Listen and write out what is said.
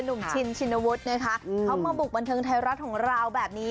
ชินชินวุฒินะคะเขามาบุกบันเทิงไทยรัฐของเราแบบนี้